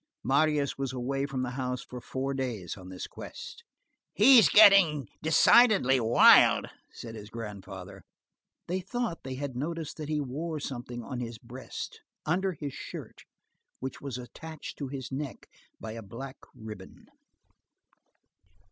Marius was away from the house for four days on this quest. "He is getting decidedly wild," said his grandfather. They thought they had noticed that he wore something on his breast, under his shirt, which was attached to his neck by a black ribbon.